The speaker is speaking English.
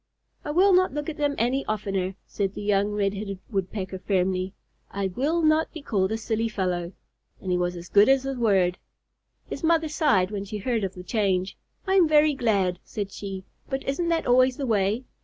"I will not look at them any oftener," said the young Red headed Woodpecker, firmly. "I will not be called a silly fellow." And he was as good as his word. His mother sighed when she heard of the change. "I am very glad," said she. "But isn't that always the way?